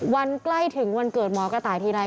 ใกล้ถึงวันเกิดหมอกระต่ายทีไร